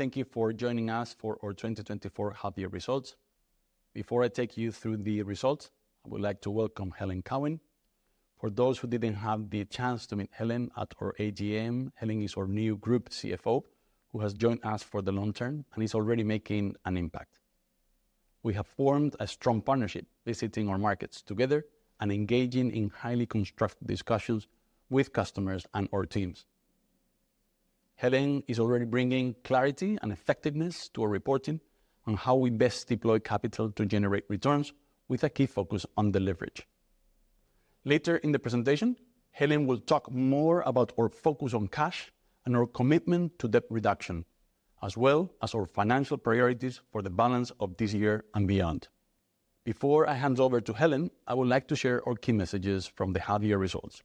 Thank you for joining us for our 2024 half-year results. Before I take you through the results, I would like to welcome Helen Cowing. For those who didn't have the chance to meet Helen at our AGM, Helen is our new Group CFO, who has joined us for the long term and is already making an impact. We have formed a strong partnership, visiting our markets together and engaging in highly constructive discussions with customers and our teams. Helen is already bringing clarity and effectiveness to our reporting on how we best deploy capital to generate returns, with a key focus on the leverage. Later in the presentation, Helen will talk more about our focus on cash and our commitment to debt reduction, as well as our financial priorities for the balance of this year and beyond. Before I hand over to Helen, I would like to share our key messages from the half-year results.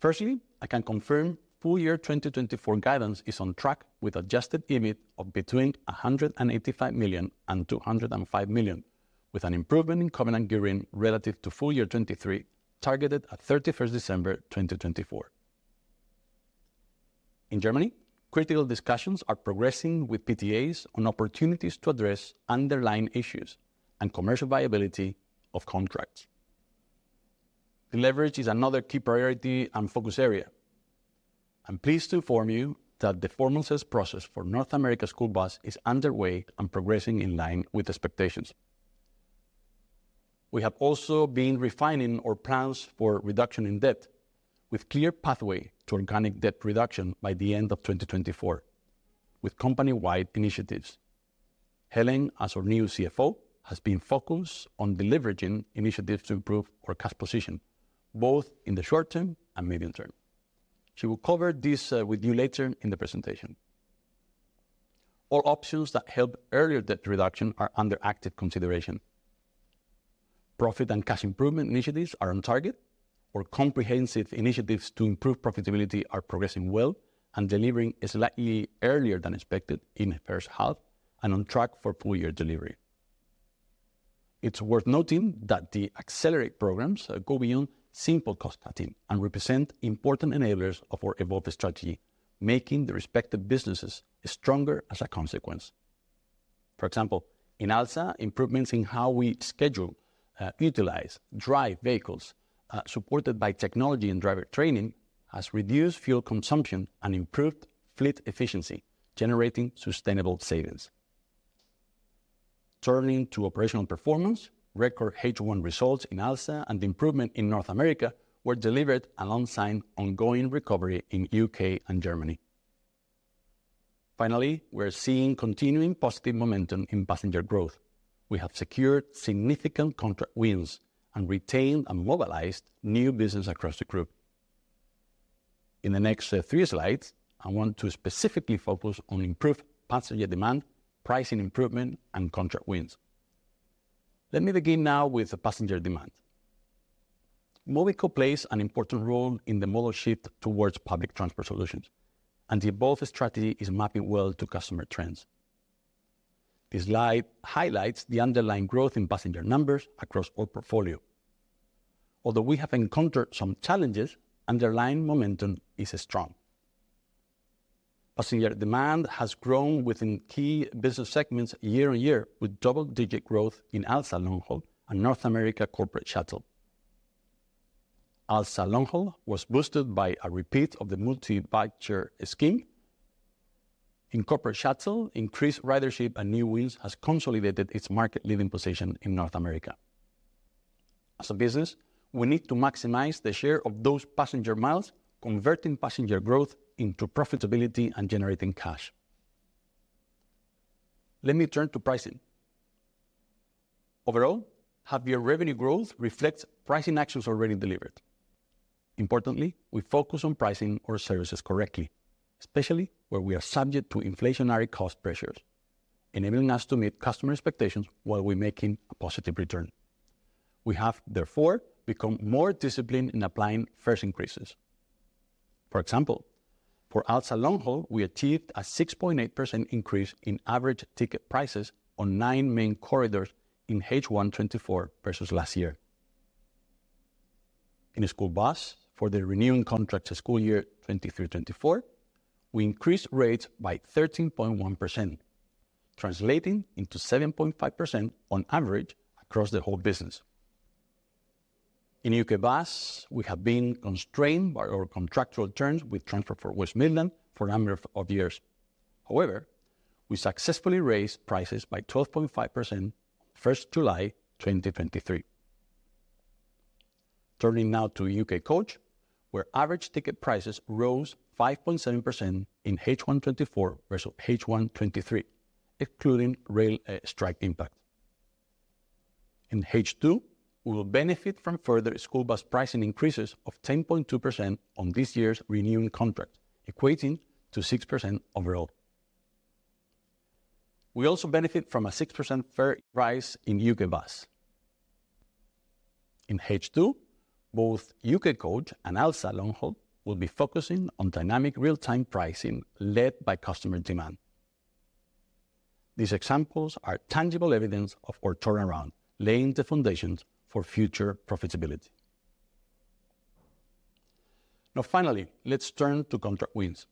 Firstly, I can confirm full year 2024 guidance is on track, with Adjusted EBIT of between 185 million and 205 million, with an improvement in covenant gearing relative to full year 2023, targeted at 31st December 2024. In Germany, critical discussions are progressing with PTAs on opportunities to address underlying issues and commercial viability of contracts. De-leverage is another key priority and focus area. I'm pleased to inform you that the formal sales process for North America School Bus is underway and progressing in line with expectations. We have also been refining our plans for reduction in debt, with clear pathway to organic debt reduction by the end of 2024, with company-wide initiatives. Helen, as our new CFO, has been focused on deleveraging initiatives to improve our cash position, both in the short term and medium term. She will cover this with you later in the presentation. All options that help earlier debt reduction are under active consideration. Profit and cash improvement initiatives are on target. Our comprehensive initiatives to improve profitability are progressing well and delivering slightly earlier than expected in the first half, and on track for full-year delivery. It's worth noting that the Accelerate programs go beyond simple cost-cutting and represent important enablers of our Evolve strategy, making the respective businesses stronger as a consequence. For example, in ALSA, improvements in how we schedule, utilize, drive vehicles supported by technology and driver training, has reduced fuel consumption and improved fleet efficiency, generating sustainable savings. Turning to operational performance, record H1 results in ALSA and the improvement in North America were delivered alongside ongoing recovery in U.K. and Germany. Finally, we're seeing continuing positive momentum in passenger growth. We have secured significant contract wins and retained and mobilized new business across the group. In the next three slides, I want to specifically focus on improved passenger demand, pricing improvement, and contract wins. Let me begin now with the passenger demand. Mobico plays an important role in the modal shift towards public transport solutions, and the Evolve strategy is mapping well to customer trends. This slide highlights the underlying growth in passenger numbers across our portfolio. Although we have encountered some challenges, underlying momentum is strong. Passenger demand has grown within key business segments year on year, with double-digit growth in ALSA Long-Haul and North America Corporate Shuttle. ALSA Long-Haul was boosted by a repeat of the multi-voucher scheme. In Corporate Shuttle, increased ridership and new wins has consolidated its market-leading position in North America. As a business, we need to maximize the share of those passenger miles, converting passenger growth into profitability and generating cash. Let me turn to pricing. Overall, half-year revenue growth reflects pricing actions already delivered. Importantly, we focus on pricing our services correctly, especially where we are subject to inflationary cost pressures, enabling us to meet customer expectations while we're making a positive return. We have therefore become more disciplined in applying fare increases. For example, for ALSA Long-Haul, we achieved a 6.8% increase in average ticket prices on nine main corridors in H1 2024 versus last year. In School Bus, for the renewing contract to school year 2023, 2024, we increased rates by 13.1%, translating into 7.5% on average across the whole business. In UK Bus, we have been constrained by our contractual terms with Transport for West Midlands for a number of years. However, we successfully raised prices by 12.5% on first July, twenty twenty-three. Turning now to UK Coach, where average ticket prices rose 5.7% in H1 2024 versus H1 2023, excluding rail strike impact. In H2, we will benefit from further School Bus pricing increases of 10.2% on this year's renewing contract, equating to 6% overall. We also benefit from a 6% fare rise in UK Bus. In H2, both UK Coach and ALSA Long-Haul will be focusing on dynamic real-time pricing, led by customer demand. These examples are tangible evidence of our turnaround, laying the foundations for future profitability. Now, finally, let's turn to contract wins.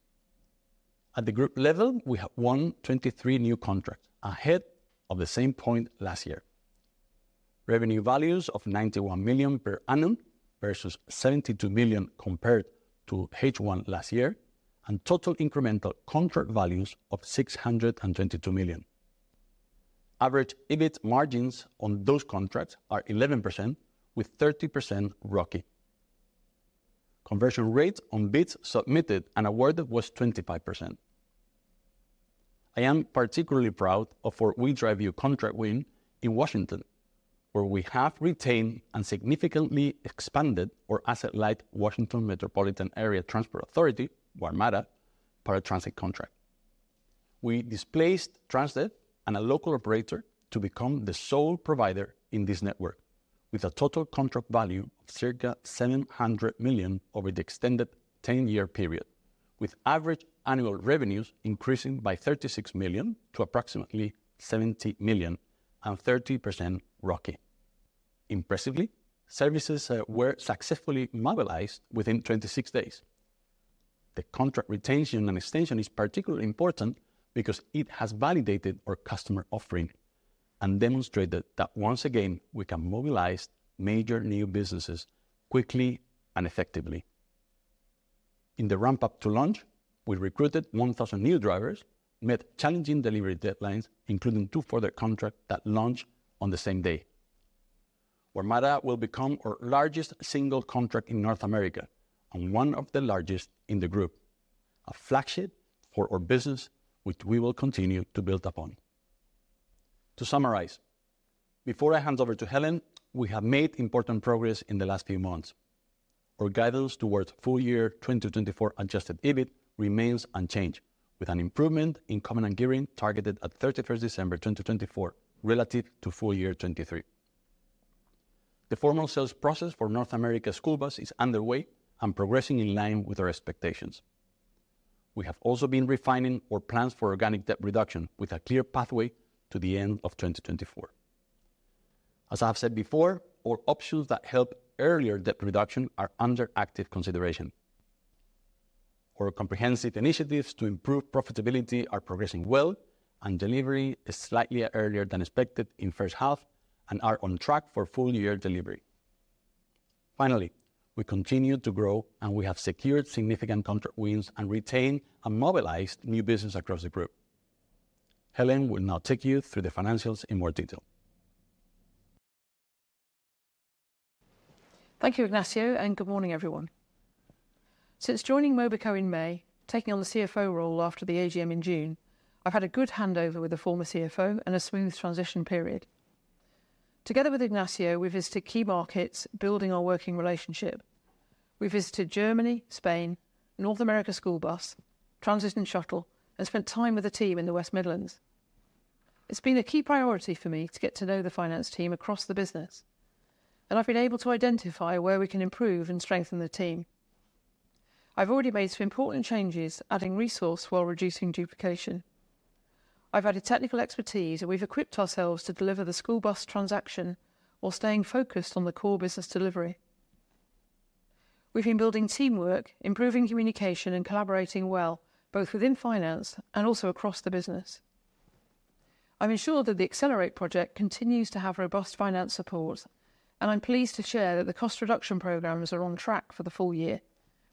At the group level, we have won twenty-three new contracts, ahead of the same point last year. Revenue values of $91 million per annum, versus $72 million compared to H1 last year, and total incremental contract values of six hundred and twenty-two million. Average EBIT margins on those contracts are 11%, with 30% ROCE. Conversion rates on bids submitted and awarded was 25%. I am particularly proud of our WeDriveU contract win in Washington, where we have retained and significantly expanded our asset-light Washington Metropolitan Area Transit Authority, WMATA, paratransit contract. We displaced Transdev and a local operator to become the sole provider in this network, with a total contract value of circa $700 million over the extended 10-year period, with average annual revenues increasing by $36 million to approximately $70 million and 30% ROCE. Impressively, services were successfully mobilized within 26 days. The contract retention and extension is particularly important because it has validated our customer offering and demonstrated that once again, we can mobilize major new businesses quickly and effectively. In the ramp-up to launch, we recruited 1,000 new drivers, met challenging delivery deadlines, including two further contracts that launched on the same day. WMATA will become our largest single contract in North America and one of the largest in the group, a flagship for our business, which we will continue to build upon. To summarize, before I hand over to Helen, we have made important progress in the last few months. Our guidance towards full year 2024 Adjusted EBIT remains unchanged, with an improvement in covenant gearing targeted at 31st December, 2024, relative to full year 2023. The formal sales process for North America School Bus is underway and progressing in line with our expectations. We have also been refining our plans for organic debt reduction with a clear pathway to the end of 2024. As I've said before, our options that help earlier debt reduction are under active consideration. Our comprehensive initiatives to improve profitability are progressing well, and delivery is slightly earlier than expected in first half and are on track for full year delivery. Finally, we continue to grow, and we have secured significant contract wins and retained and mobilized new business across the group. Helen will now take you through the financials in more detail. Thank you, Ignacio, and good morning, everyone. Since joining Mobico in May, taking on the CFO role after the AGM in June, I've had a good handover with the former CFO and a smooth transition period. Together with Ignacio, we visited key markets, building our working relationship. We visited Germany, Spain, North America School Bus, Transit and Shuttle, and spent time with the team in the West Midlands. It's been a key priority for me to get to know the finance team across the business, and I've been able to identify where we can improve and strengthen the team. I've already made some important changes, adding resource while reducing duplication. I've added technical expertise, and we've equipped ourselves to deliver the School Bus transaction while staying focused on the core business delivery. We've been building teamwork, improving communication, and collaborating well, both within finance and also across the business. I've ensured that the Accelerate project continues to have robust finance support, and I'm pleased to share that the cost reduction programs are on track for the full year,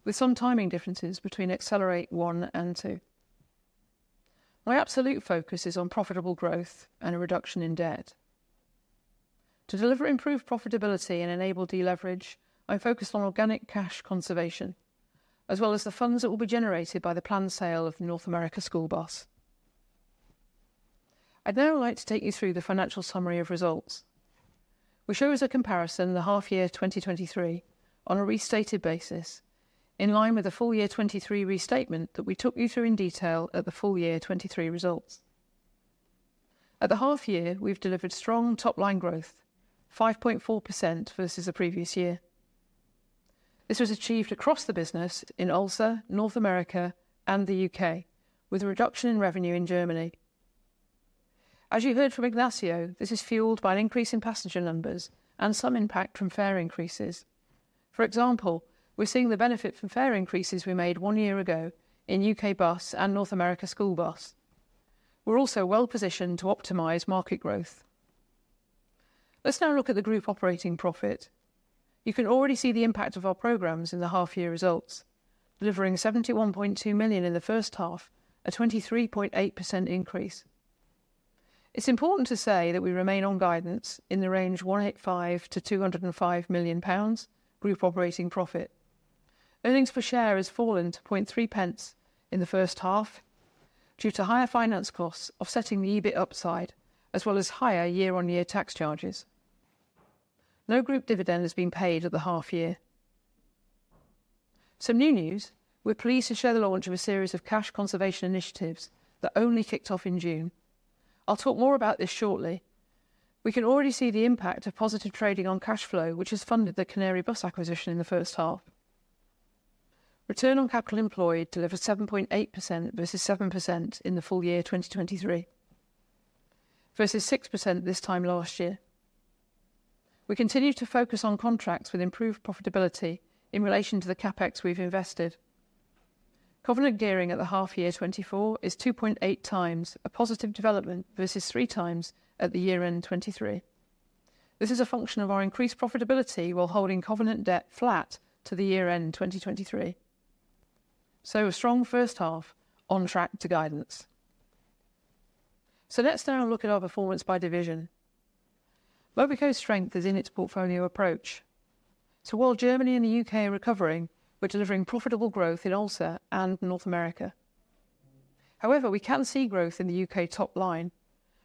with some timing differences between Accelerate I and II. My absolute focus is on profitable growth and a reduction in debt. To deliver improved profitability and enable deleverage, I'm focused on organic cash conservation, as well as the funds that will be generated by the planned sale of North America School Bus. I'd now like to take you through the financial summary of results. We show as a comparison the half year 2023 on a restated basis, in line with the full year 2023 restatement that we took you through in detail at the full year 2023 results. At the half year, we've delivered strong top-line growth, 5.4% versus the previous year. This was achieved across the business in ALSA, North America, and the U.K., with a reduction in revenue in Germany. As you heard from Ignacio, this is fueled by an increase in passenger numbers and some impact from fare increases. For example, we're seeing the benefit from fare increases we made one year ago in UK Bus and North America School Bus. We're also well-positioned to optimize market growth. Let's now look at the group operating profit. You can already see the impact of our programs in the half year results, delivering 71.2 million in the first half, a 23.8% increase. It's important to say that we remain on guidance in the range 185 million to 205 million pounds group operating profit. Earnings per share has fallen to 0.3 pence in the first half due to higher finance costs, offsetting the EBIT upside, as well as higher year-on-year tax charges. No group dividend has been paid at the half year. Some new news, we're pleased to share the launch of a series of cash conservation initiatives that only kicked off in June. I'll talk more about this shortly. We can already see the impact of positive trading on cash flow, which has funded the Canarybus acquisition in the first half. Return on capital employed delivered 7.8% versus 7% in the full year 2023, versus 6% this time last year. We continue to focus on contracts with improved profitability in relation to the CapEx we've invested. Covenant gearing at the half year 2024 is 2.8 times, a positive development, versus three times at the year end 2023. This is a function of our increased profitability while holding covenant debt flat to the year end 2023. So a strong first half on track to guidance. So let's now look at our performance by division. Mobico's strength is in its portfolio approach. So while Germany and the U.K. are recovering, we're delivering profitable growth in ALSA and North America. However, we can see growth in the U.K. top line,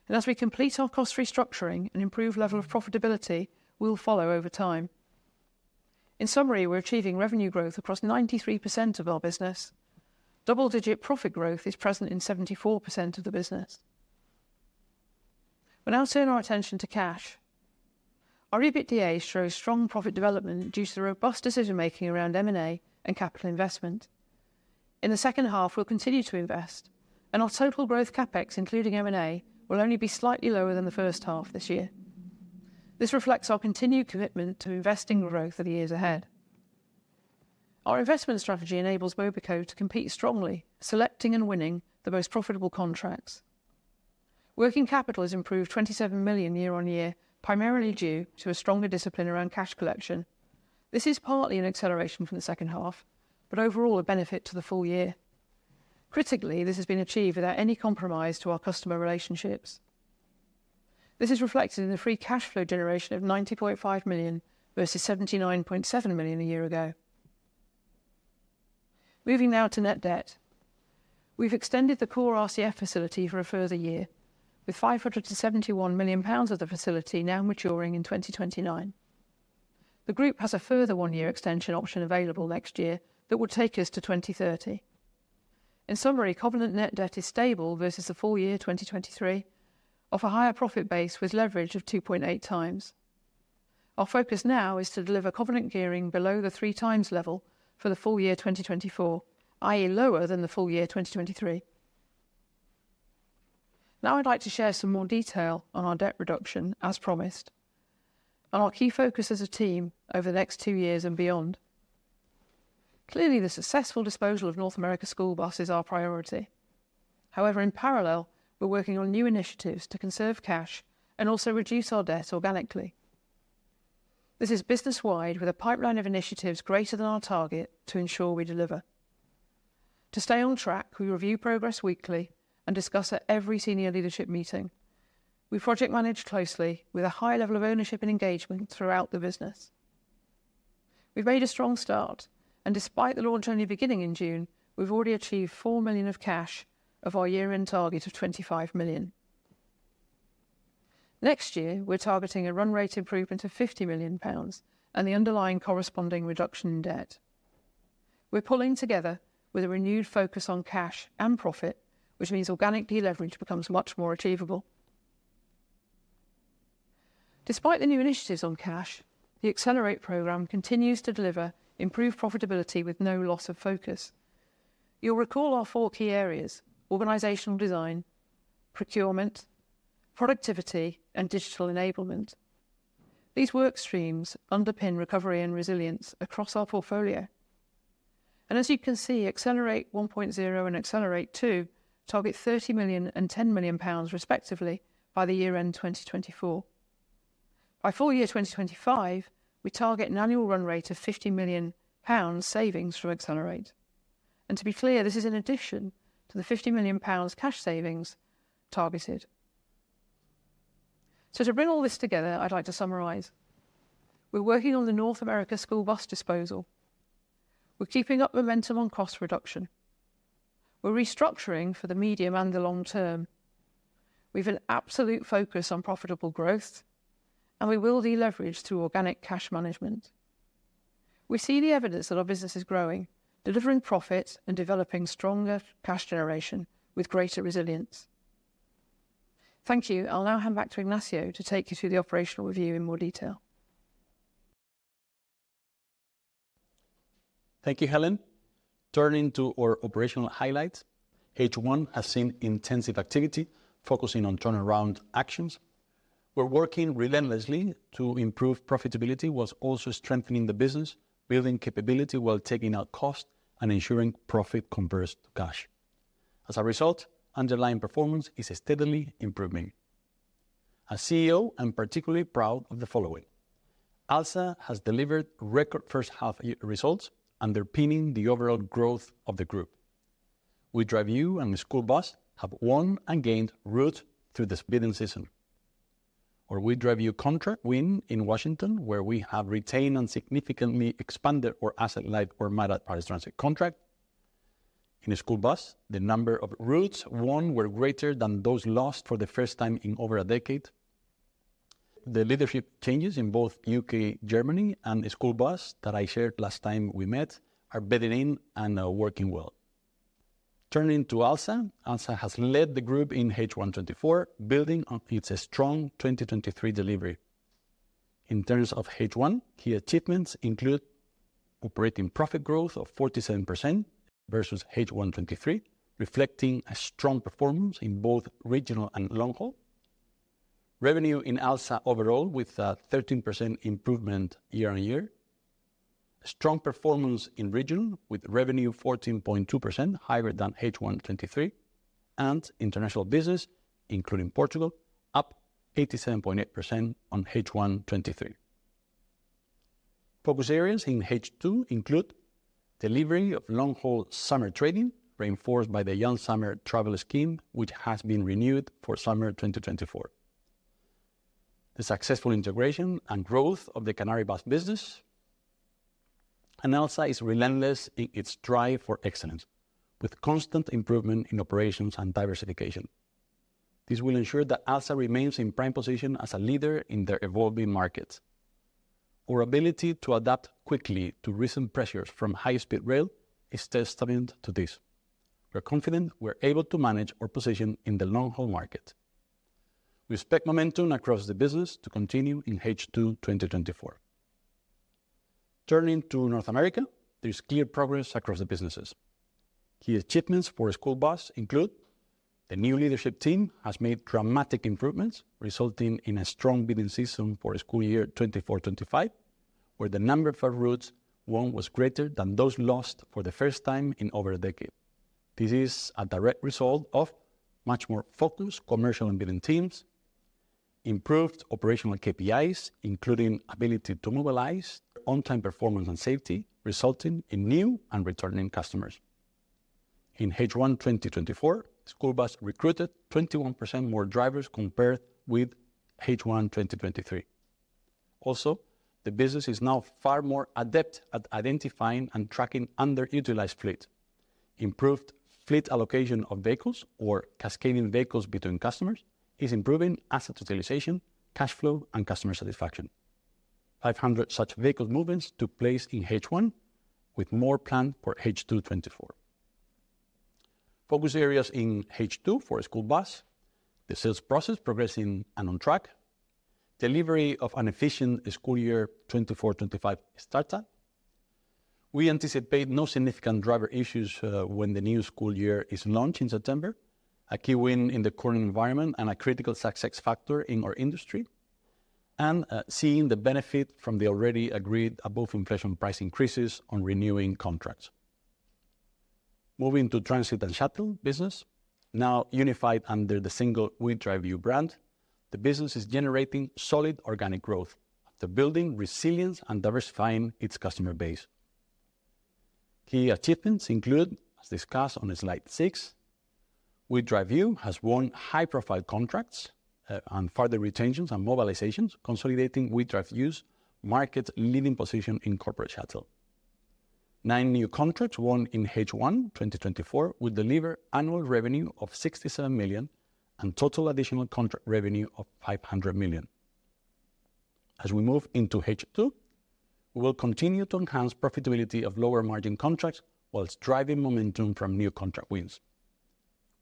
and as we complete our cost restructuring and improve level of profitability, we'll follow over time. In summary, we're achieving revenue growth across 93% of our business. Double-digit profit growth is present in 74% of the business. We'll now turn our attention to cash. Our EBITDA shows strong profit development due to the robust decision-making around M&A and capital investment. In the second half, we'll continue to invest, and our total growth CapEx, including M&A, will only be slightly lower than the first half this year. This reflects our continued commitment to investing growth for the years ahead. Our investment strategy enables Mobico to compete strongly, selecting and winning the most profitable contracts. Working capital has improved 27 million year on year, primarily due to a stronger discipline around cash collection. This is partly an acceleration from the second half, but overall a benefit to the full year. Critically, this has been achieved without any compromise to our customer relationships. This is reflected in the free cash flow generation of 90.5 million versus 79.7 million a year ago. Moving now to net debt. We've extended the core RCF facility for a further year, with 571 million pounds of the facility now maturing in 2029. The group has a further one-year extension option available next year that will take us to 2030. In summary, covenant net debt is stable versus the full year 2023, off a higher profit base with leverage of 2.8 times. Our focus now is to deliver covenant gearing below the three times level for the full year 2024, i.e., lower than the full year 2023. Now I'd like to share some more detail on our debt reduction, as promised, and our key focus as a team over the next two years and beyond. Clearly, the successful disposal of North America School Bus is our priority. However, in parallel, we're working on new initiatives to conserve cash and also reduce our debt organically. This is business-wide, with a pipeline of initiatives greater than our target to ensure we deliver. To stay on track, we review progress weekly and discuss at every senior leadership meeting. We project manage closely with a high level of ownership and engagement throughout the business. We've made a strong start, and despite the launch only beginning in June, we've already achieved 4 million of cash of our year-end target of 25 million. Next year, we're targeting a run rate improvement of 50 million pounds and the underlying corresponding reduction in debt. We're pulling together with a renewed focus on cash and profit, which means organic deleverage becomes much more achievable. Despite the new initiatives on cash, the Accelerate program continues to deliver improved profitability with no loss of focus. You'll recall our four key areas: organizational design, procurement, productivity, and digital enablement. These work streams underpin recovery and resilience across our portfolio. And as you can see, Accelerate 1.0 and Accelerate 2.0 target 30 million and 10 million pounds, respectively, by year-end 2024. By full year 2025, we target an annual run rate of 50 million pounds savings through Accelerate. And to be clear, this is in addition to the 50 million pounds cash savings targeted. So to bring all this together, I'd like to summarize. We're working on the North America School Bus disposal. We're keeping up momentum on cost reduction. We're restructuring for the medium and the long term. We've an absolute focus on profitable growth, and we will deleverage through organic cash management. We see the evidence that our business is growing, delivering profits, and developing stronger cash generation with greater resilience. Thank you. I'll now hand back to Ignacio to take you through the operational review in more detail. Thank you, Helen. Turning to our operational highlights, H1 has seen intensive activity focusing on turnaround actions. We're working relentlessly to improve profitability, while also strengthening the business, building capability while taking out cost and ensuring profit converts to cash. As a result, underlying performance is steadily improving. As CEO, I'm particularly proud of the following: ALSA has delivered record first half year results, underpinning the overall growth of the group. WeDriveYou and the School Bus have won and gained routes through the bidding season. Our WeDriveYou contract win in Washington, where we have retained and significantly expanded our asset-light or managed transit contract. In School Bus, the number of routes won were greater than those lost for the first time in over a decade. The leadership changes in both U.K., Germany, and School Bus that I shared last time we met are bedded in and are working well. Turning to ALSA. ALSA has led the group in H1 2024, building on its strong 2023 delivery. In terms of H1, key achievements include operating profit growth of 47% versus H1 2023, reflecting a strong performance in both regional and long-haul. Revenue in ALSA overall, with a 13% improvement year on year. Strong performance in regional, with revenue 14.2% higher than H1 2023, and international business, including Portugal, up 87.8% on H1 2023. Focus areas in H2 include delivery of long-haul summer trading, reinforced by the Young Summer Travel Scheme, which has been renewed for summer 2024. The successful integration and growth of the Canarybus business. ALSA is relentless in its drive for excellence, with constant improvement in operations and diversification. This will ensure that ALSA remains in prime position as a leader in their evolving markets. Our ability to adapt quickly to recent pressures from high-speed rail is testament to this. We're confident we're able to manage our position in the long-haul market. We expect momentum across the business to continue in H2 2024. Turning to North America, there's clear progress across the businesses. Key achievements for School Bus include: the new leadership team has made dramatic improvements, resulting in a strong bidding season for school year 2024/2025, where the number of routes won was greater than those lost for the first time in over a decade. This is a direct result of much more focused commercial and bidding teams, improved operational KPIs, including ability to mobilize, on-time performance, and safety, resulting in new and returning customers. In H1 2024, School Bus recruited 21% more drivers compared with H1 2023. Also, the business is now far more adept at identifying and tracking underutilized fleet. Improved fleet allocation of vehicles or cascading vehicles between customers is improving asset utilization, cash flow, and customer satisfaction. 500 such vehicle movements took place in H1, with more planned for H2 2024. Focus areas in H2 for School Bus: the sales process progressing and on track, delivery of an efficient school year 2024/25 start time. We anticipate no significant driver issues, when the new school year is launched in September, a key win in the current environment and a critical success factor in our industry, and seeing the benefit from the already agreed above-inflation price increases on renewing contracts. Moving to Transit and Shuttle business, now unified under the single WeDriveU brand, the business is generating solid organic growth after building resilience and diversifying its customer base. Key achievements include, as discussed on Slide 6, WeDriveU has won high-profile contracts, and further retentions and mobilizations, consolidating WeDriveU's market-leading position in corporate shuttle. Nine new contracts won in H1 2024 will deliver annual revenue of $67 million and total additional contract revenue of $500 million. As we move into H2, we will continue to enhance profitability of lower-margin contracts while driving momentum from new contract wins.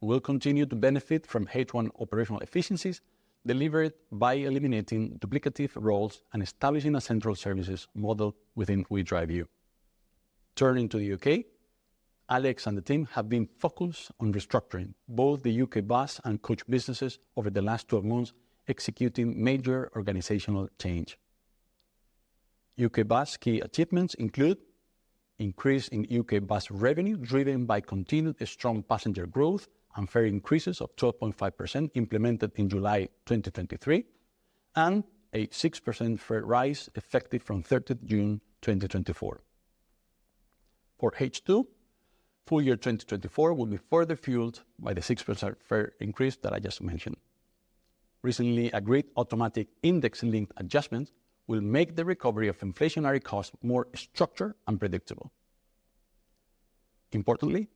We will continue to benefit from H1 operational efficiencies delivered by eliminating duplicative roles and establishing a central services model within WeDriveYou. Turning to the U.K., Alex and the team have been focused on restructuring both the UK Bus and Coach businesses over the last twelve months, executing major organizational change. UK Bus key achievements include increase in UK Bus revenue, driven by continued strong passenger growth and fare increases of 12.5% implemented in July 2023, and a 6% fare rise effective from thirteenth June 2024. For H2, full year 2024 will be further fueled by the 6% fare increase that I just mentioned. Recently, agreed automatic index-linked adjustments will make the recovery of inflationary costs more structured and predictable. Importantly,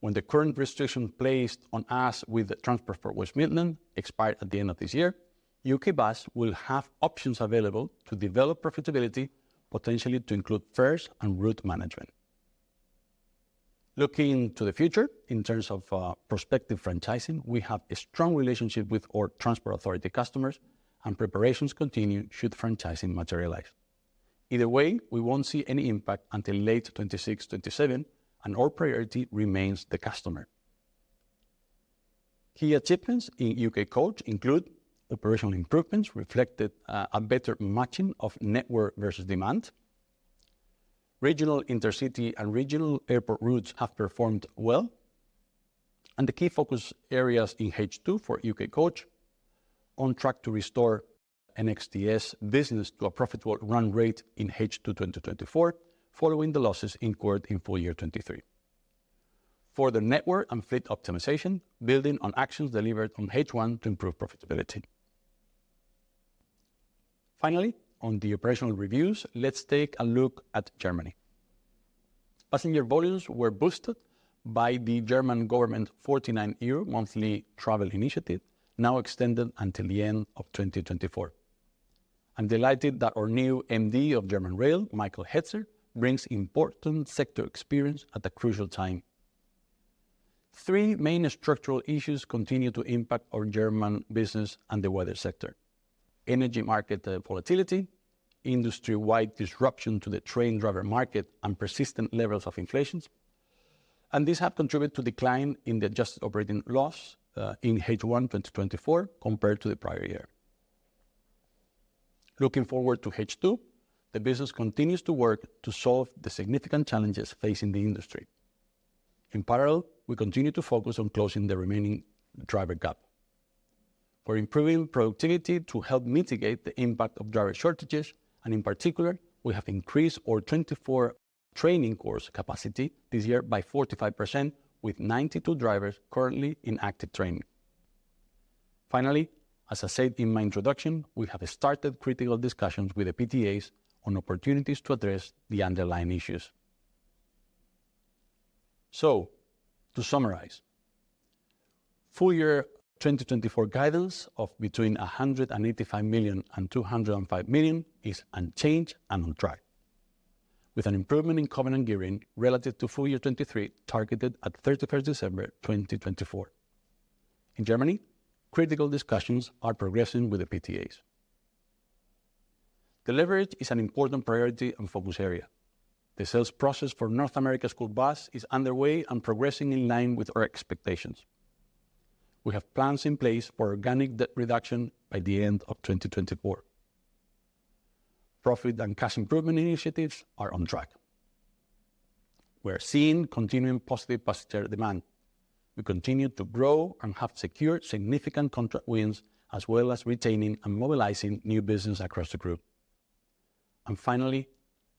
when the current restriction placed on us with the Transport for West Midlands expires at the end of this year, UK Bus will have options available to develop profitability, potentially to include fares and route management. Looking to the future in terms of prospective franchising, we have a strong relationship with our Transport Authority customers, and preparations continue should franchising materialize. Either way, we won't see any impact until late 2026, 2027, and our priority remains the customer. Key achievements in UK Coach include: operational improvements reflected a better matching of network versus demand. Regional intercity and regional airport routes have performed well. And the key focus areas in H2 for UK Coach, on track to restore an NXTS business to a profitable run rate in H2 2024, following the losses incurred in full year 2023. Further network and fleet optimization, building on actions delivered on H1 to improve profitability. Finally, on the operational reviews, let's take a look at Germany. Passenger volumes were boosted by the German government forty-nine euro monthly travel initiative, now extended until the end of 2024. I'm delighted that our new MD of German Rail, Michael Hölzer, brings important sector experience at a crucial time. Three main structural issues continue to impact our German business and the wider sector: energy market volatility, industry-wide disruption to the train driver market, and persistent levels of inflation. And these have contributed to decline in the adjusted operating loss in H1 2024, compared to the prior year. Looking forward to H2, the business continues to work to solve the significant challenges facing the industry. In parallel, we continue to focus on closing the remaining driver gap. We're improving productivity to help mitigate the impact of driver shortages, and in particular, we have increased our 24-hour training course capacity this year by 45%, with 92 drivers currently in active training. Finally, as I said in my introduction, we have started critical discussions with the PTAs on opportunities to address the underlying issues. To summarize, full year 2024 guidance of between 185 million and 205 million is unchanged and on track, with an improvement in covenant gearing relative to full year 2023, targeted at 31 December 2024. In Germany, critical discussions are progressing with the PTAs. The leverage is an important priority and focus area. The sales process for North America School Bus is underway and progressing in line with our expectations. We have plans in place for organic debt reduction by the end of 2024. Profit and cash improvement initiatives are on track. We're seeing continuing positive passenger demand. We continue to grow and have secured significant contract wins, as well as retaining and mobilizing new business across the group. And finally,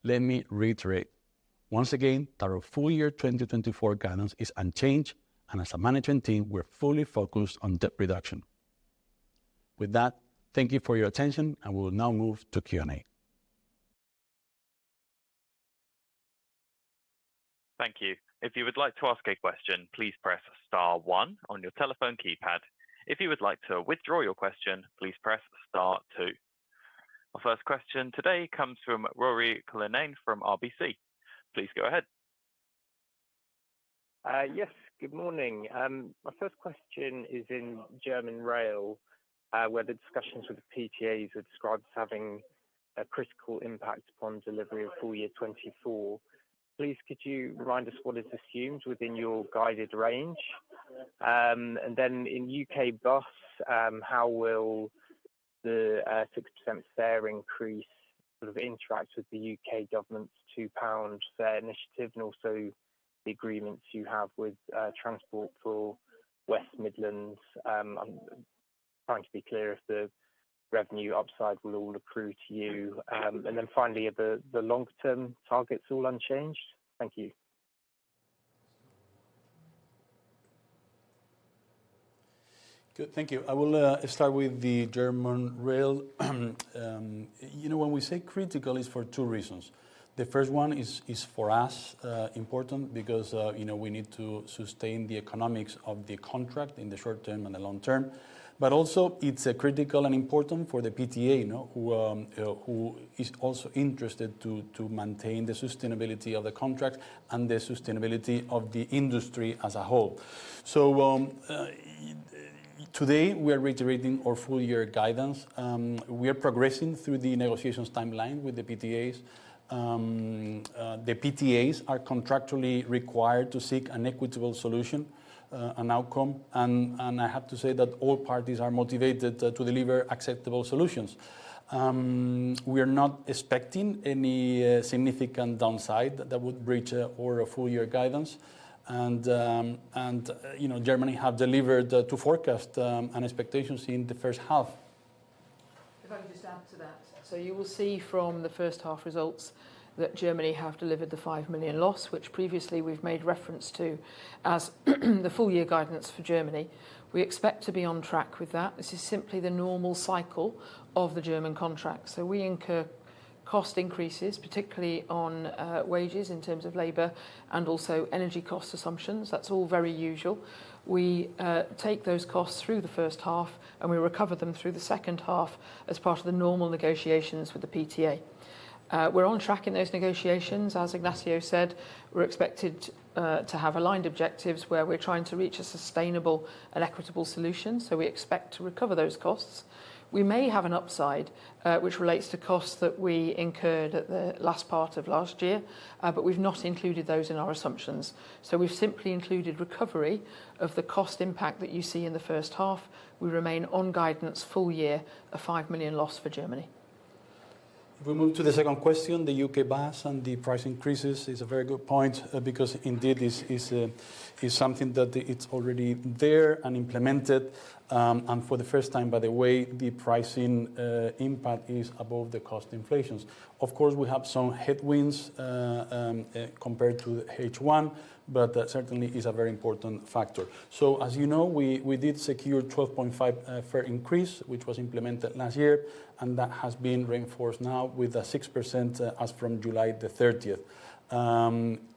let me reiterate once again, that our full year 2024 guidance is unchanged, and as a management team, we're fully focused on debt reduction. With that, thank you for your attention, and we will now move to Q&A. Thank you. If you would like to ask a question, please press star one on your telephone keypad. If you would like to withdraw your question, please press star two. Our first question today comes from Ruairi Cullinane from RBC. Please go ahead. Yes, good morning. My first question is in German Rail, where the discussions with the PTAs are described as having a critical impact upon delivery of full year 2024. Please, could you remind us what is assumed within your guided range? And then in UK Bus, how will the 6% fare increase sort of interact with the U.K. government's 2 pound fare initiative, and also the agreements you have with Transport for West Midlands? I'm trying to be clear if the revenue upside will all accrue to you. And then finally, are the long-term targets all unchanged? Thank you. Good, thank you. I will start with the German Rail. You know, when we say critical, it's for two reasons. The first one is for us important because you know, we need to sustain the economics of the contract in the short term and the long term. But also, it's critical and important for the PTA, you know, who is also interested to maintain the sustainability of the contract and the sustainability of the industry as a whole. So, today, we are reiterating our full-year guidance. We are progressing through the negotiations timeline with the PTAs. The PTAs are contractually required to seek an equitable solution, an outcome, and I have to say that all parties are motivated to deliver acceptable solutions. We are not expecting any significant downside that would breach our full-year guidance. And, you know, Germany have delivered to forecast and expectations in the first half. If I could just add to that, so you will see from the first half results that Germany have delivered the five million loss, which previously we've made reference to as the full-year guidance for Germany. We expect to be on track with that. This is simply the normal cycle of the German contract, so we incur cost increases, particularly on wages in terms of labor and also energy cost assumptions. That's all very usual. We take those costs through the first half, and we recover them through the second half as part of the normal negotiations with the PTA. We're on track in those negotiations. As Ignacio said, we're expected to have aligned objectives, where we're trying to reach a sustainable and equitable solution, so we expect to recover those costs. We may have an upside, which relates to costs that we incurred at the last part of last year, but we've not included those in our assumptions. So we've simply included recovery of the cost impact that you see in the first half. We remain on guidance full year, a £5 million loss for Germany. We move to the second question, the UK Bus and the price increases is a very good point, because indeed, this is something that it's already there and implemented. And for the first time, by the way, the pricing impact is above the cost inflations. Of course, we have some headwinds compared to H1, but that certainly is a very important factor. So, as you know, we did secure 12.5% fare increase, which was implemented last year, and that has been reinforced now with a 6% as from July the thirtieth.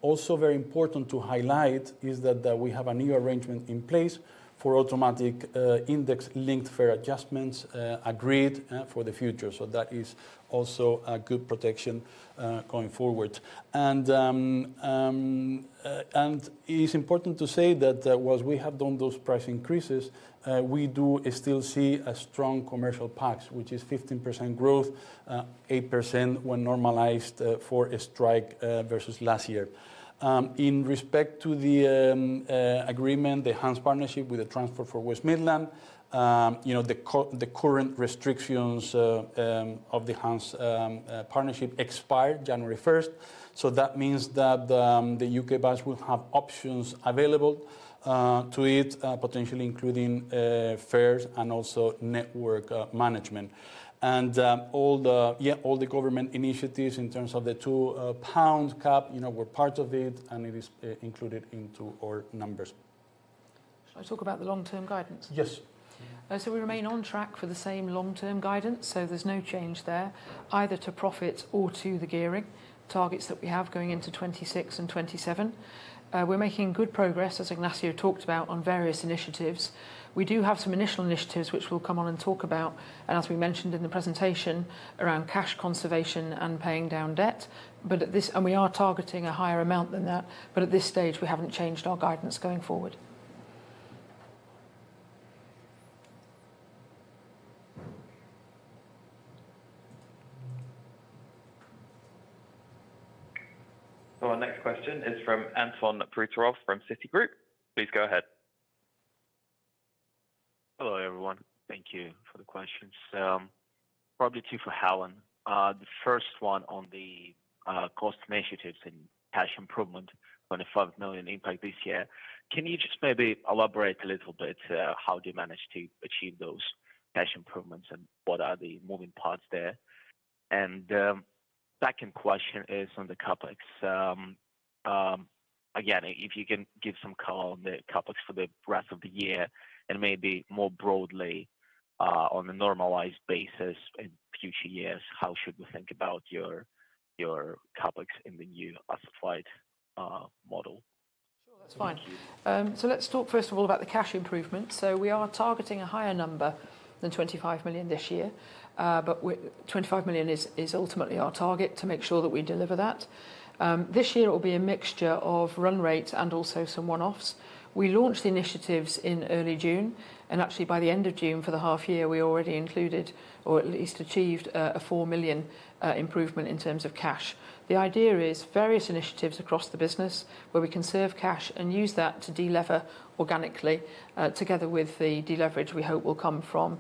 Also very important to highlight is that we have a new arrangement in place for automatic index-linked fare adjustments agreed for the future. So that is also a good protection going forward. And it is important to say that, while we have done those price increases, we do still see a strong commercial pax, which is 15% growth, 8% when normalized for a strike versus last year. In respect to the agreement, the Enhanced Partnership with Transport for West Midlands, you know, the current restrictions of the Enhanced Partnership expired January first. So that means that the UK Bus will have options available to it, potentially including fares and also network management. And all the government initiatives in terms of the 2 pound cap, you know, we're part of it, and it is included into our numbers. Shall I talk about the long-term guidance? Yes. So we remain on track for the same long-term guidance, so there's no change there, either to profit or to the gearing targets that we have going into 2026 and 2027. We're making good progress, as Ignacio talked about, on various initiatives. We do have some initial initiatives which we'll come on and talk about, and as we mentioned in the presentation, around cash conservation and paying down debt. And we are targeting a higher amount than that, but at this stage, we haven't changed our guidance going forward. Our next question is from Anton Proutorov from Citigroup. Please go ahead. Hello, everyone. Thank you for the questions. Probably two for Helen. The first one on the cost initiatives and cash improvement, 25 million impact this year. Can you just maybe elaborate a little bit, how do you manage to achieve those cash improvements, and what are the moving parts there? Second question is on the CapEx. Again, if you can give some color on the CapEx for the rest of the year, and maybe more broadly, on a normalized basis in future years, how should we think about your CapEx in the new classified model? Sure, that's fine, so let's talk first of all about the cash improvement, so we are targeting a higher number than 25 million this year, but 25 million is ultimately our target to make sure that we deliver that. This year it will be a mixture of run rates and also some one-offs. We launched the initiatives in early June, and actually by the end of June, for the half year, we already included or at least achieved a 4 million improvement in terms of cash. The idea is various initiatives across the business where we can save cash and use that to delever organically, together with the deleverage we hope will come from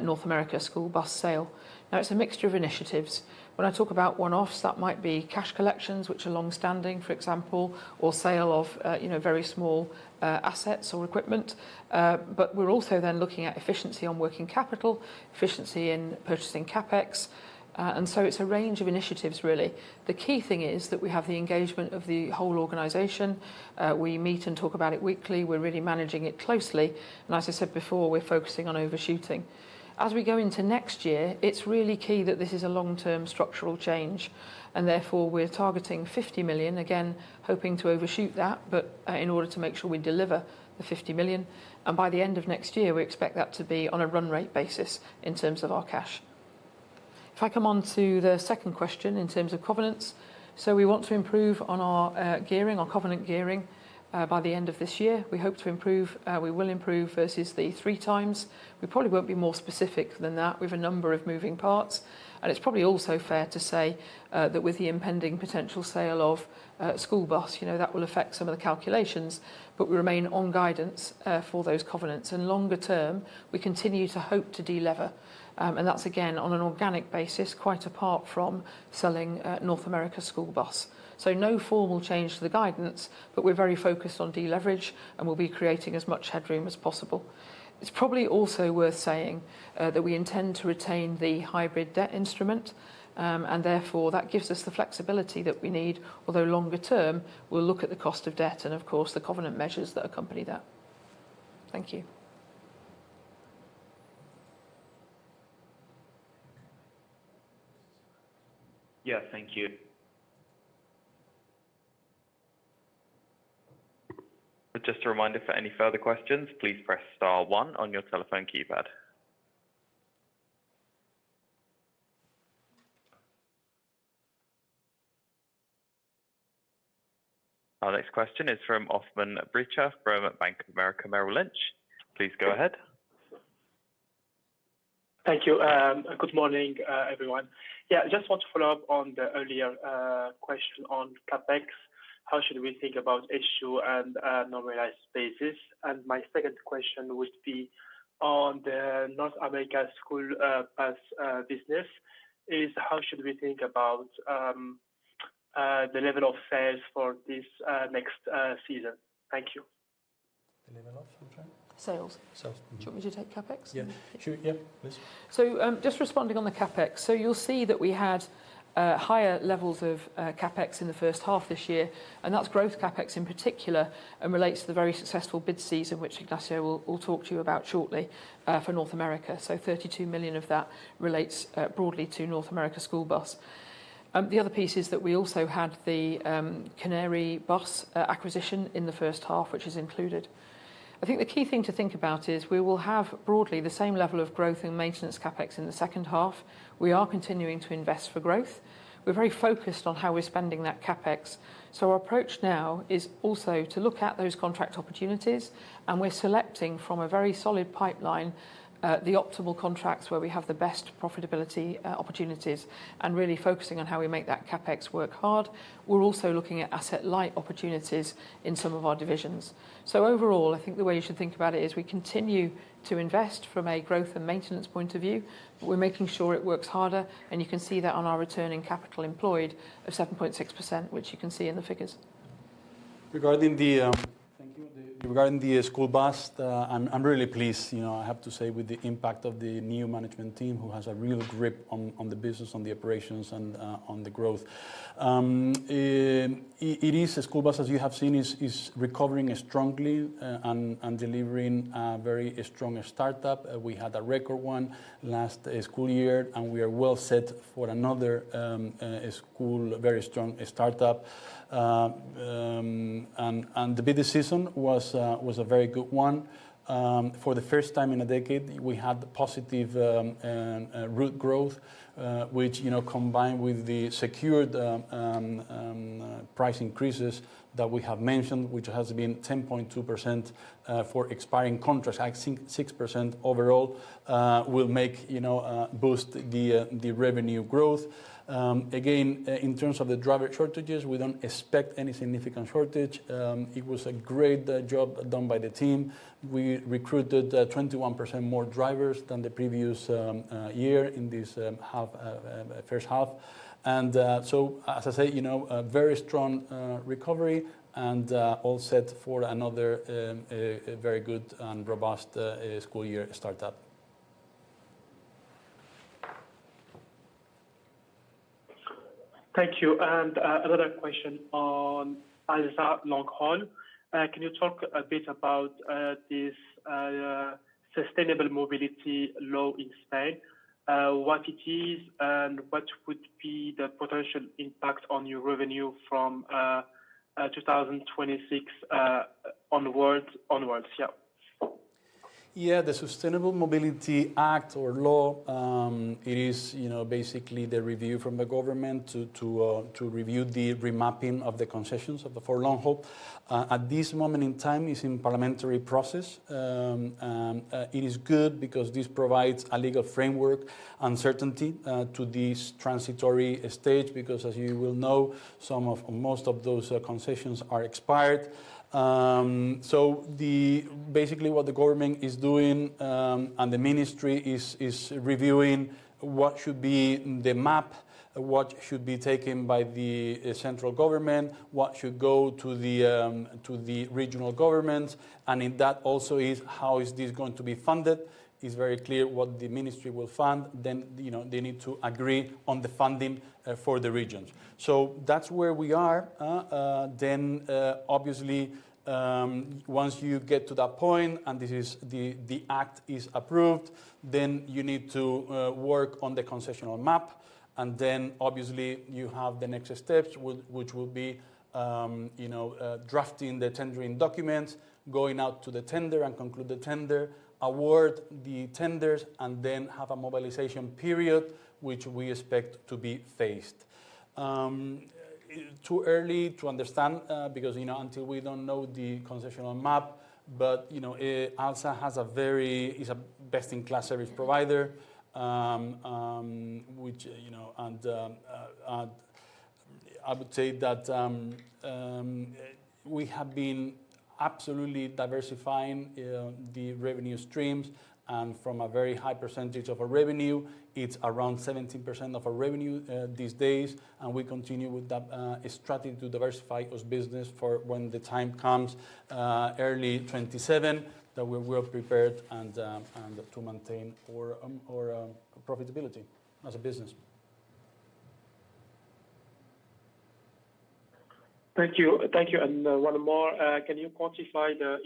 North America School Bus sale. Now, it's a mixture of initiatives. When I talk about one-offs, that might be cash collections, which are long-standing, for example, or sale of, you know, very small, assets or equipment, but we're also then looking at efficiency on working capital, efficiency in purchasing CapEx, and so it's a range of initiatives, really. The key thing is that we have the engagement of the whole organization. We meet and talk about it weekly. We're really managing it closely, and as I said before, we're focusing on overshooting. As we go into next year, it's really key that this is a long-term structural change, and therefore, we're targeting fifty million, again, hoping to overshoot that, but in order to make sure we deliver the fifty million, and by the end of next year, we expect that to be on a run rate basis in terms of our cash. If I come on to the second question in terms of covenants, so we want to improve on our gearing, our Covenant Gearing, by the end of this year. We hope to improve, we will improve versus the three times. We probably won't be more specific than that. We have a number of moving parts, and it's probably also fair to say that with the impending potential sale of School Bus, you know, that will affect some of the calculations, but we remain on guidance for those covenants. And longer term, we continue to hope to delever, and that's again, on an organic basis, quite apart from selling North America School Bus. So no formal change to the guidance, but we're very focused on deleverage, and we'll be creating as much headroom as possible. It's probably also worth saying, that we intend to retain the hybrid debt instrument, and therefore, that gives us the flexibility that we need, although longer term, we'll look at the cost of debt and, of course, the covenant measures that accompany that. Thank you. Yeah, thank you. Just a reminder, for any further questions, please press star one on your telephone keypad. Our next question is from Osman Memisoglu from Bank of America, Merrill Lynch. Please go ahead. Thank you. Good morning, everyone. Yeah, I just want to follow up on the earlier question on CapEx. How should we think about H2 and normalized basis? And my second question would be on the North America School Bus business: How should we think about the level of sales for this next season? Thank you. The level of sorry? Sales. Sales. Do you want me to take CapEx? Yeah. Sure, yeah, please. So, just responding on the CapEx. You'll see that we had higher levels of CapEx in the first half this year, and that's growth CapEx in particular, and relates to the very successful bid season, which Ignacio will talk to you about shortly, for North America. So 32 million of that relates broadly to North America School Bus. The other piece is that we also had the Canarybus acquisition in the first half, which is included. I think the key thing to think about is we will have broadly the same level of growth in maintenance CapEx in the second half. We are continuing to invest for growth. We're very focused on how we're spending that CapEx. Our approach now is also to look at those contract opportunities, and we're selecting from a very solid pipeline, the optimal contracts where we have the best profitability, opportunities, and really focusing on how we make that CapEx work hard. We're also looking at asset-light opportunities in some of our divisions. Overall, I think the way you should think about it is we continue to invest from a growth and maintenance point of view, but we're making sure it works harder, and you can see that in our return on capital employed of 7.6%, which you can see in the figures. Regarding the School Bus, I'm really pleased, you know, I have to say, with the impact of the new management team, who has a real grip on the business, on the operations, and on the growth. The School Bus, as you have seen, is recovering strongly and delivering a very strong startup. We had a record one last school year, and we are well set for another very strong startup. And the bidding season was a very good one. For the first time in a decade, we had positive route growth, which, you know, combined with the secured price increases that we have mentioned, which has been 10.2% for expiring contracts, I think 6% overall, will make, you know, boost the revenue growth. Again, in terms of the driver shortages, we don't expect any significant shortage. It was a great job done by the team. We recruited 21% more drivers than the previous year in this first half, and so as I say, you know, a very strong recovery and all set for another very good and robust school year startup. Thank you, and another question on ALSA Long-Haul. Can you talk a bit about this sustainable mobility law in Spain? What it is, and what would be the potential impact on your revenue from two thousand and twenty-six onwards? Yeah. Yeah, the Sustainable Mobility Act or law, it is, you know, basically the review from the government to review the remapping of the concessions of the-- for Long Haul. At this moment in time, it's in parliamentary process. It is good because this provides a legal framework and certainty to this transitory stage, because, as you will know, some of... most of those concessions are expired. So basically, what the government is doing, and the ministry is reviewing what should be the map, what should be taken by the central government, what should go to the regional government, and in that also is how is this going to be funded. It's very clear what the ministry will fund, then, you know, they need to agree on the funding for the regions. That's where we are. Then, obviously, once you get to that point, and this is the act is approved, then you need to work on the concessional map, and then obviously you have the next steps, which will be, you know, drafting the tendering documents, going out to the tender and conclude the tender, award the tenders, and then have a mobilization period, which we expect to be phased. It's too early to understand, because, you know, until we don't know the concession map, but, you know, ALSA is a best-in-class service provider, which, you know, and I would say that we have been absolutely diversifying the revenue streams, and from a very high percentage of our revenue, it's around 17% of our revenue these days, and we continue with that strategy to diversify our business for when the time comes, early 2027, that we were prepared and to maintain our profitability as a business. Thank you. Thank you, and one more. Can you quantify the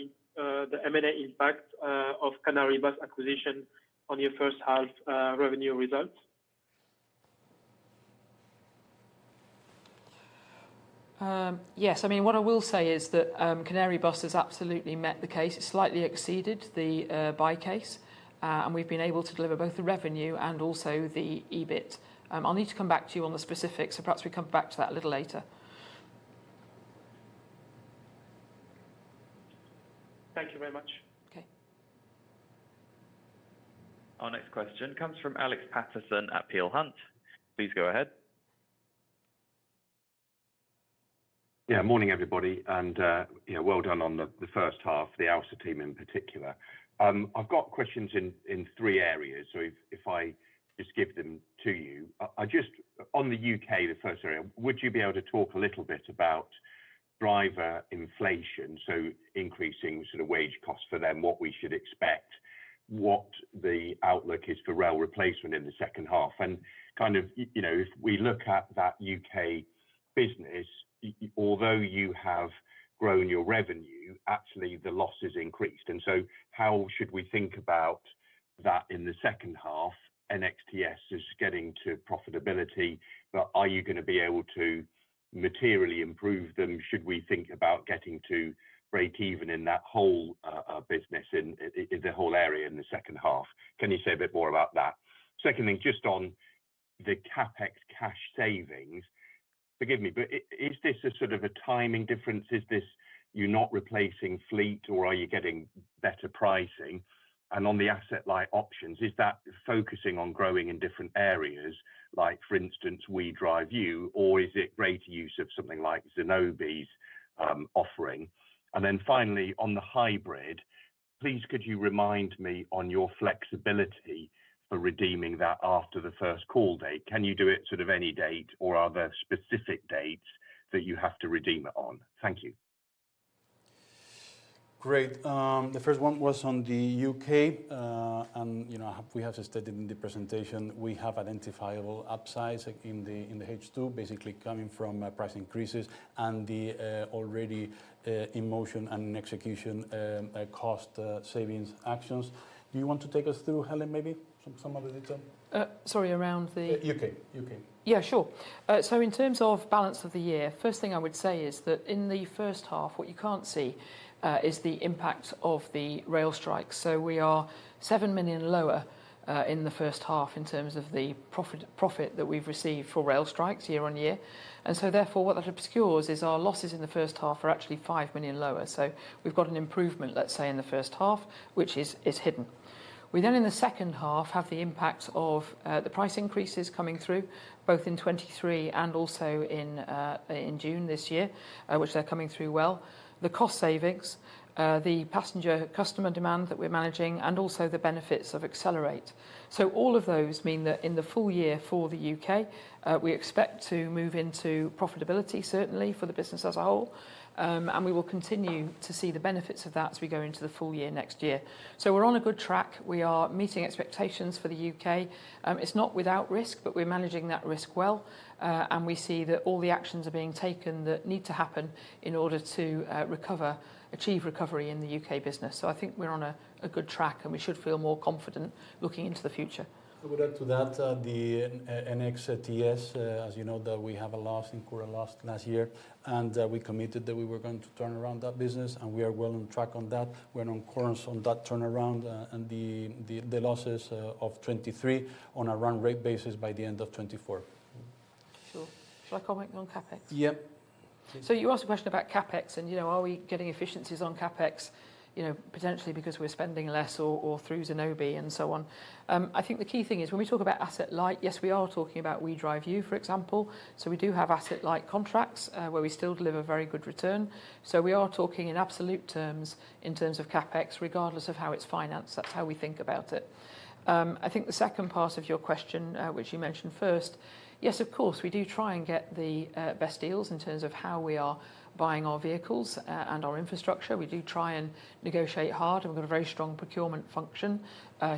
M&A impact of Canarybus acquisition on your first half revenue results? Yes. I mean, what I will say is that, Canarybus has absolutely met the case. It slightly exceeded the buy case, and we've been able to deliver both the revenue and also the EBIT. I'll need to come back to you on the specifics, so perhaps we come back to that a little later. Thank you very much. Okay. Our next question comes from Alex Paterson at Peel Hunt. Please go ahead. Yeah, morning, everybody, and, you know, well done on the first half, the ALSA team in particular. I've got questions in three areas, so if I just give them to you. On the UK, the first area, would you be able to talk a little bit about driver inflation, so increasing sort of wage costs for them, what we should expect, what the outlook is for rail replacement in the second half? And kind of, you know, if we look at that UK business, although you have grown your revenue, actually the losses increased. And so how should we think about that in the second half, NXTS is getting to profitability, but are you gonna be able to materially improve them? Should we think about getting to break even in that whole business in the whole area in the second half? Can you say a bit more about that? Secondly, just on the CapEx cash savings, forgive me, but is this a sort of a timing difference? Is this you're not replacing fleet, or are you getting better pricing? And on the asset-light options, is that focusing on growing in different areas, like, for instance, WeDriveYou, or is it greater use of something like Zenobé's offering? And then finally, on the hybrid, please, could you remind me on your flexibility for redeeming that after the first call date? Can you do it sort of any date, or are there specific dates that you have to redeem it on? Thank you. Great. The first one was on the U.K. And, you know, we have stated in the presentation, we have identifiable upsides in the H2, basically coming from price increases and the already in motion and execution cost savings actions. Do you want to take us through, Helen, maybe, some of the detail? Sorry, around the- U.K. U.K. Yeah, sure. So in terms of balance of the year, first thing I would say is that in the first half, what you can't see is the impact of the rail strikes. So we are seven million lower in the first half in terms of the profit that we've received for rail strikes year on year. And so therefore, what that obscures is our losses in the first half are actually five million lower. So we've got an improvement, let's say, in the first half, which is hidden. We then, in the second half, have the impact of the price increases coming through, both in 2023 and also in June this year, which they're coming through well. The cost savings, the passenger customer demand that we're managing, and also the benefits of Accelerate. So all of those mean that in the full year for the U.K., we expect to move into profitability, certainly, for the business as a whole, and we will continue to see the benefits of that as we go into the full year next year. So we're on a good track. We are meeting expectations for the U.K. It's not without risk, but we're managing that risk well, and we see that all the actions are being taken that need to happen in order to achieve recovery in the U.K. business. So I think we're on a good track, and we should feel more confident looking into the future. I would add to that, the NXTS, as you know, incurred a loss last year, and we committed that we were going to turn around that business, and we are well on track on that. We're on course on that turnaround, and the losses of 2023 on a run rate basis by the end of 2024. Sure. Shall I comment on CapEx? Yeah. So you asked a question about CapEx, and, you know, are we getting efficiencies on CapEx, you know, potentially because we're spending less or through Zenobé and so on. I think the key thing is, when we talk about asset-light, yes, we are talking about WeDriveYou, for example. So we do have asset-light contracts, where we still deliver very good return. So we are talking in absolute terms, in terms of CapEx, regardless of how it's financed. That's how we think about it. I think the second part of your question, which you mentioned first, yes, of course, we do try and get the best deals in terms of how we are buying our vehicles, and our infrastructure. We do try and negotiate hard, and we've got a very strong procurement function,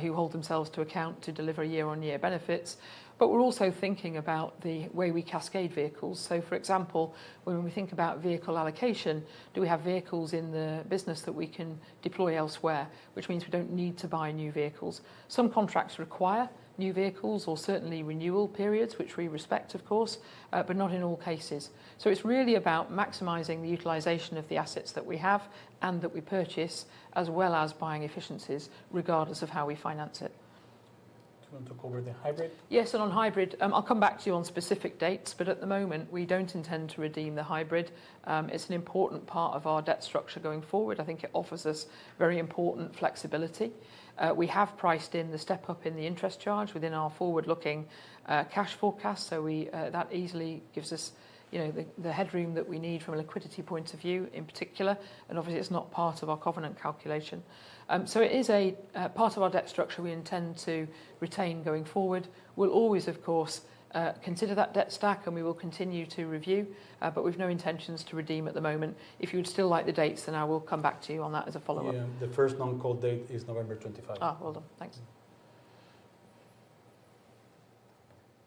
who hold themselves to account to deliver year-on-year benefits. But we're also thinking about the way we cascade vehicles. So for example, when we think about vehicle allocation, do we have vehicles in the business that we can deploy elsewhere, which means we don't need to buy new vehicles? Some contracts require new vehicles or certainly renewal periods, which we respect, of course, but not in all cases. So it's really about maximizing the utilization of the assets that we have and that we purchase, as well as buying efficiencies, regardless of how we finance it. Do you want to cover the hybrid? Yes, and on hybrid, I'll come back to you on specific dates, but at the moment, we don't intend to redeem the hybrid. It's an important part of our debt structure going forward. I think it offers us very important flexibility. We have priced in the step up in the interest charge within our forward-looking cash forecast. So we, that easily gives us, you know, the headroom that we need from a liquidity point of view, in particular, and obviously, it's not part of our covenant calculation. So it is part of our debt structure we intend to retain going forward. We'll always, of course, consider that debt stack, and we will continue to review, but we've no intentions to redeem at the moment. If you'd still like the dates, then I will come back to you on that as a follow-up. Yeah. The first non-call date is November 25. Ah, well done. Thanks.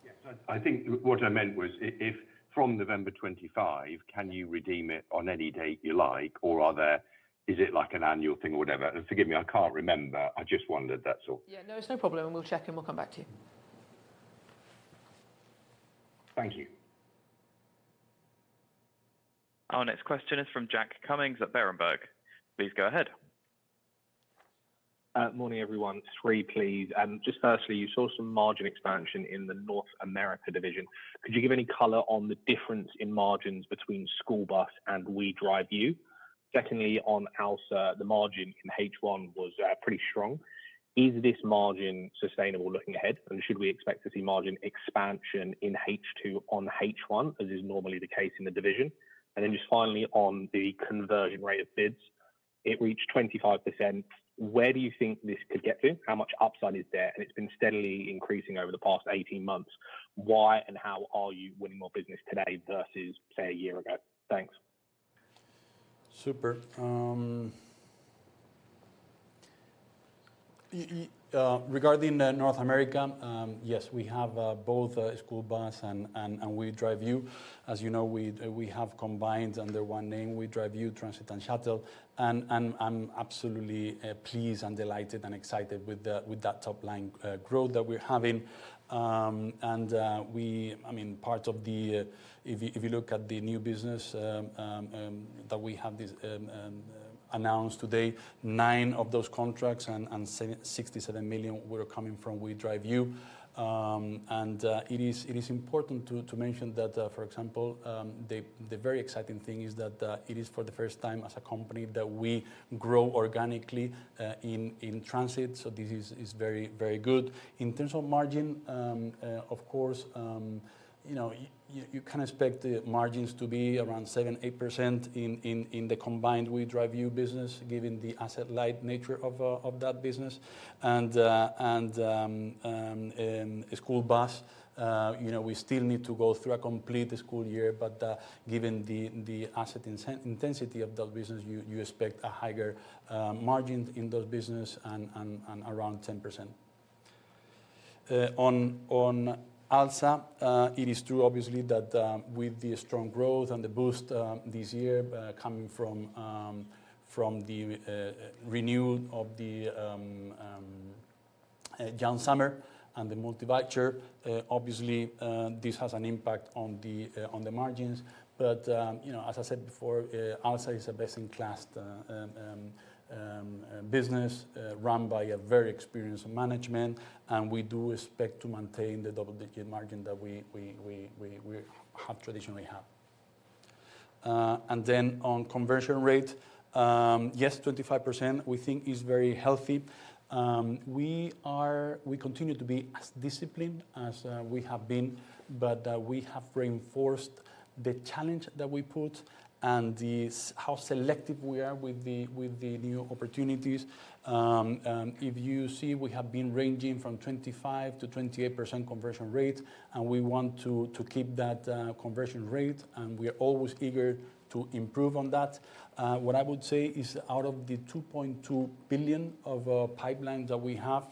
Yes, I think what I meant was if from November 25, can you redeem it on any date you like, or are there... Is it like an annual thing or whatever? Forgive me, I can't remember. I just wondered, that's all. Yeah. No, it's no problem, and we'll check, and we'll come back to you. Thank you. Our next question is from Jack Cummings at Berenberg. Please go ahead. Morning, everyone. Three, please. Just firstly, you saw some margin expansion in the North America division. Could you give any color on the difference in margins between School Bus and WeDriveYou? Secondly, on ALSA, the margin in H1 was pretty strong. Is this margin sustainable looking ahead, and should we expect to see margin expansion in H2 on H1, as is normally the case in the division? And then just finally, on the conversion rate of bids, it reached 25%. Where do you think this could get to? How much upside is there? And it's been steadily increasing over the past 18 months. Why and how are you winning more business today versus, say, a year ago? Thanks. Super. Regarding North America, yes, we have both School Bus and WeDriveYou. As you know, we have combined under one name, WeDriveYou, Transit and Shuttle. And I'm absolutely pleased and delighted and excited with that top line growth that we're having. And I mean, part of the, if you look at the new business that we have announced today, nine of those contracts and $67 million were coming from WeDriveYou. It is important to mention that, for example, the very exciting thing is that it is for the first time as a company that we grow organically in transit, so this is very, very good. In terms of margin, of course, you know, you can expect the margins to be around 7%-8% in the combined WeDriveU business, given the asset-light nature of that business. And School Bus, you know, we still need to go through a complete school year, but given the asset intensity of those business, you expect a higher margin in those business and around 10%. On ALSA, it is true, obviously, that with the strong growth and the boost this year coming from the renew of the Young Summer and the multivoucher, obviously, this has an impact on the margins. But you know, as I said before, ALSA is a best-in-class business run by a very experienced management, and we do expect to maintain the double-digit margin that we have traditionally have. And then on conversion rate, yes, 25% we think is very healthy. We continue to be as disciplined as we have been, but we have reinforced the challenge that we put and the how selective we are with the new opportunities. If you see, we have been ranging from 25%-28% conversion rate, and we want to keep that conversion rate, and we are always eager to improve on that. What I would say is out of the 2.2 billion pipeline that we have,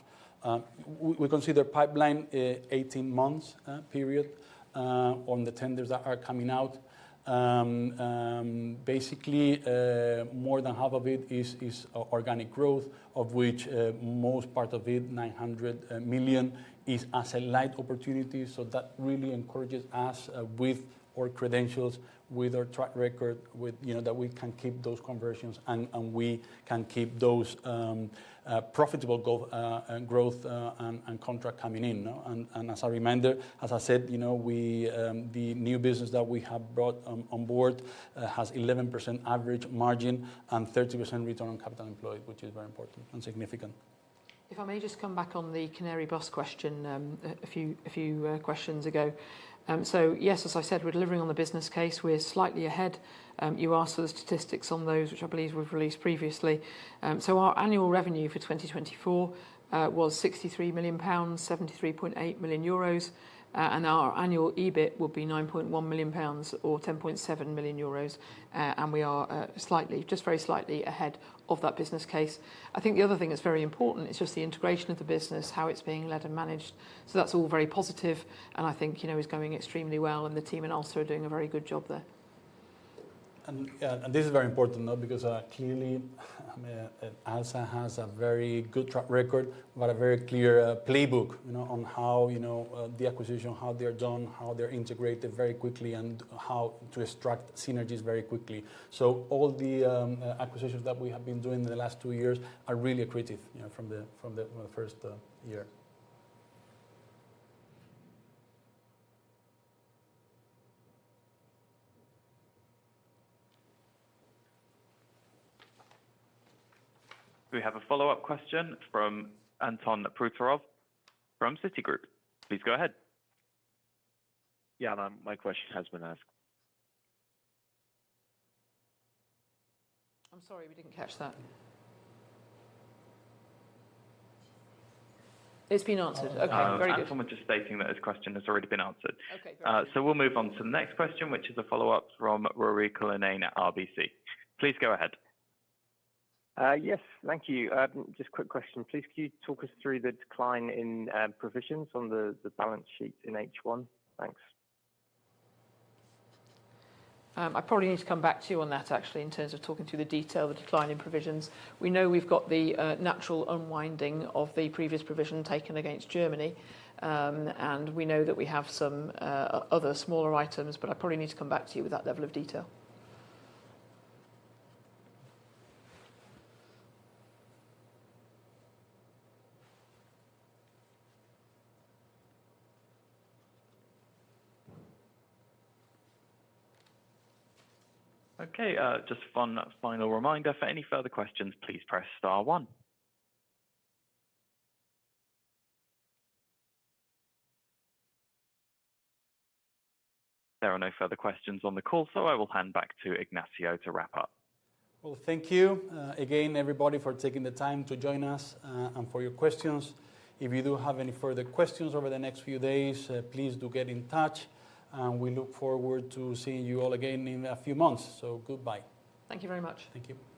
we consider pipeline eighteen months period on the tenders that are coming out. Basically, more than half of it is organic growth, of which most part of it, 900 million, is asset-light opportunity. So that really encourages us with our credentials, with our track record, with, you know, that we can keep those conversions, and we can keep those profitable growth and contract coming in. As a reminder, as I said, you know, we the new business that we have brought on board has 11% average margin and 30% return on capital employed, which is very important and significant. If I may just come back on the Canarybus question, a few questions ago. So yes, as I said, we're delivering on the business case. We're slightly ahead. You asked for the statistics on those, which I believe we've released previously. So our annual revenue for twenty twenty-four was 63 million pounds, 73.8 million euros, and our annual EBIT will be 9.1 million pounds or 10.7 million euros. And we are slightly, just very slightly ahead of that business case. I think the other thing that's very important is just the integration of the business, how it's being led and managed. So that's all very positive, and I think, you know, is going extremely well, and the team in ALSA are doing a very good job there. This is very important, though, because clearly ALSA has a very good track record, but a very clear playbook, you know, on how the acquisition, how they are done, how they're integrated very quickly, and how to extract synergies very quickly. So all the acquisitions that we have been doing in the last two years are really accretive, you know, from the first year. We have a follow-up question from Anton Proutorov from Citigroup. Please go ahead. Yeah, my question has been asked. I'm sorry, we didn't catch that. It's been answered. Okay, very good. Anton was just stating that his question has already been answered. Okay, very good. So we'll move on to the next question, which is a follow-up from Ruairi Cullinane at RBC. Please go ahead. Yes, thank you. Just a quick question. Please, can you talk us through the decline in provisions on the balance sheet in H1? Thanks. I probably need to come back to you on that, actually, in terms of talking through the detail, the decline in provisions. We know we've got the natural unwinding of the previous provision taken against Germany, and we know that we have some other smaller items, but I probably need to come back to you with that level of detail. Okay, just one final reminder. For any further questions, please press star one. There are no further questions on the call, so I will hand back to Ignacio to wrap up. Thank you, again, everybody, for taking the time to join us, and for your questions. If you do have any further questions over the next few days, please do get in touch, and we look forward to seeing you all again in a few months. Goodbye. Thank you very much. Thank you.